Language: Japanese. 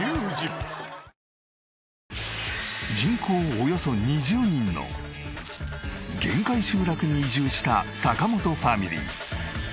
およそ２０人の限界集落に移住した坂本ファミリー。